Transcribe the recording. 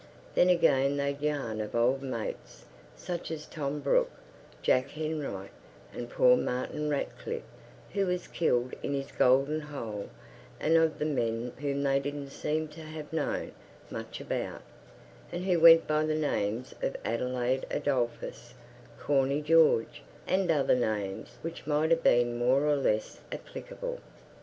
Then again they'd yarn of old mates, such as Tom Brook, Jack Henright, and poor Martin Ratcliffe who was killed in his golden hole and of other men whom they didn't seem to have known much about, and who went by the names of "Adelaide Adolphus," "Corney George," and other names which might have been more or less applicable.